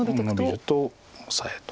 ノビるとオサエと。